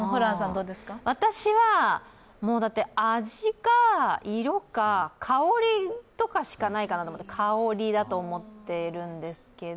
私は、味か色か香りとかしかないかなと思って香りだと思っているんですけど。